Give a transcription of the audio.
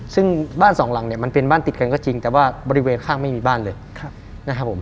ซึ่งบ้านสองหลังเนี่ยมันเป็นบ้านติดกันก็จริงแต่ว่าบริเวณข้างไม่มีบ้านเลยนะครับผม